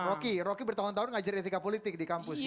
rocky bertahun tahun mengajar etika politik di kampus gimana